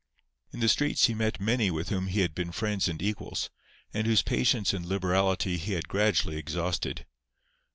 In the streets he met many with whom he had been friends and equals, and whose patience and liberality he had gradually exhausted.